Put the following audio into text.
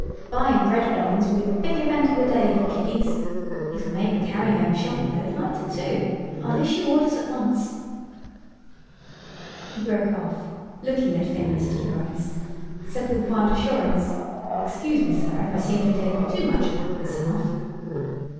Buying bread balloons will be the big event of the day for kiddies. It'll make the carry home shopping load lighter too! I'll issue orders at once "He broke off, looking at Phineas T. Gryce, said with quiet assurance, "Excuse me, sir, if I seem to be taking too much upon myself."